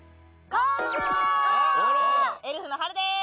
エルフのはるです！